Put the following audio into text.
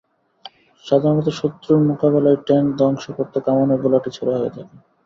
সাধারণত শত্রুর মোকাবিলায় ট্যাংক ধ্বংস করতে কামানের গোলাটি ছোড়া হয়ে থাকে।